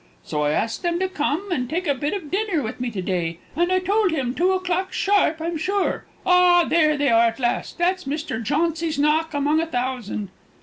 So I asked them to come and take a bit of dinner with me to day, and I told him two o'clock sharp, I'm sure. Ah, there they are at last! That's Mr. Jauncy's knock, among a thousand."